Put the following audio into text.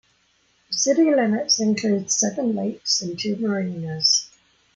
The city limits include seven lakes and two marinas.